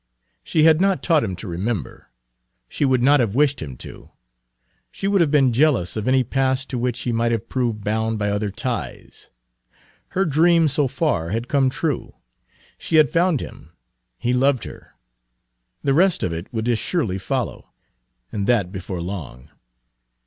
She had not taught him to remember; she would not have wished him to; she would have been jealous of any past to which he might have proved bound by other ties. Her dream so far had come true. She had found him, he loved her. The rest of it would as surely follow, and that before long.